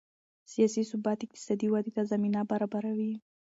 سیاسي ثبات اقتصادي ودې ته زمینه برابروي